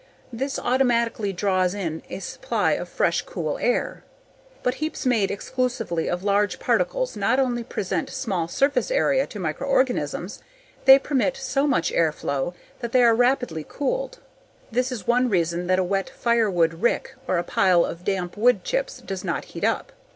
This automatically draws in a supply of fresh, cool air. But heaps made exclusively of large particles not only present little surface area to microorganisms, they permit so much airflow that they are rapidly cooled. This is one reason that a wet firewood rick or a pile of damp wood chips does not heat up.